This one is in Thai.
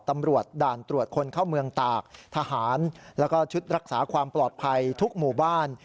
ตำรวจด่านตรวจคนเข้าเมืองตากทหารแล้วก็ชุดรักษาความปลอดภัยทุกหมู่บ้าน